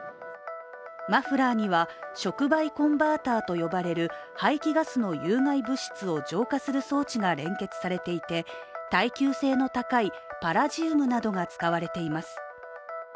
マフラーには、触媒コンバーターと呼ばれる排気ガスの有害物質を浄化する装置が連結されていて、耐久性の高いパラジウムなどが使われています。